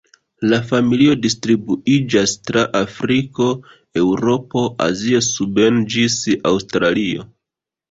La familio distribuiĝas tra Afriko, Eŭropo, Azio suben ĝis Aŭstralio.